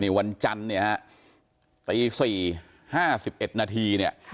นี่วันจันทร์เนี่ยฮะตีสี่ห้าสิบเอ็ดนาทีเนี่ยค่ะ